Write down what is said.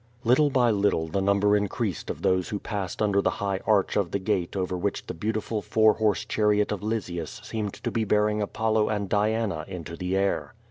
Little by little the number increased of those who passed under the high arch of the gate over which the beautiful four horse chariot of Lysias seemed to be bearing Apollo and Diana into the air.